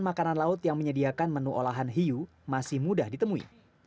makanan laut yang menyediakan menu olahan hiu masih mudah ditemui